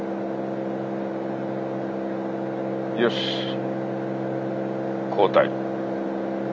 よし交代。